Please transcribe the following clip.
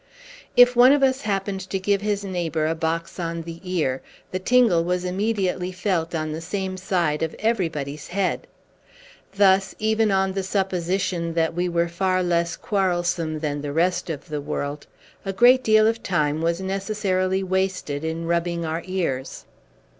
If one of us happened to give his neighbor a box on the ear, the tingle was immediately felt on the same side of everybody's head. Thus, even on the supposition that we were far less quarrelsome than the rest of the world, a great deal of time was necessarily wasted in rubbing our ears.